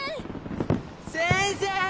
先生！